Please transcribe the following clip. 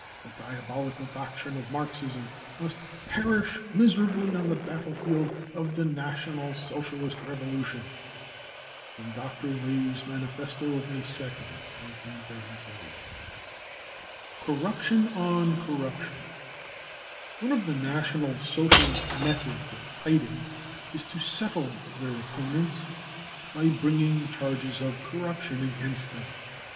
The diabolical doctrine of Marxism must pefish miserably on the battlefield of the National * Socialist revolution. 55 (From Dr. Ley 5 s manifesto of May 2nd, 1933.) 152 BROWN BOOK OF THE HITLER TERROR $ cc Corruption on Corruption." One of the National < Socialist methods of fighting is to 44 settle 53 their opponents by bringing charges of corruption against them.